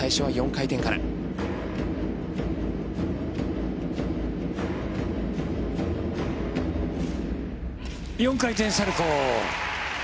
４回転サルコウ。